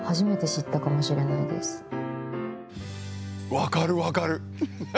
分かる、分かる！